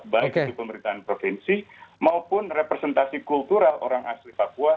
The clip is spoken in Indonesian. baik itu pemerintahan provinsi maupun representasi kultural orang asli papua